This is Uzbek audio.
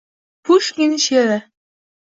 Pushkin she’ri